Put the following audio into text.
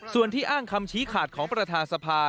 ส่วนที่อ้างคำชี้ขาดของประธานสภา